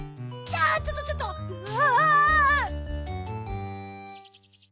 ちょっとちょっとあ！